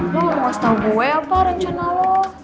lo nggak mau kasih tau gue apa rencana lo